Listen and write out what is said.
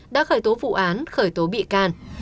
đã khởi tố vụ án khởi tố bị can